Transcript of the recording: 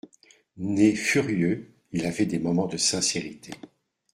Né furieux, il avait des moments de sincérité.